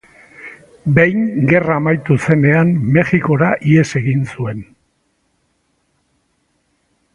Behin gerra amaitu zenean, Mexikora ihes egin zuen.